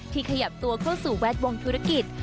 ขยับตัวเข้าสู่แวดวงธุรกิจ